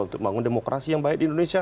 untuk membangun demokrasi yang baik di indonesia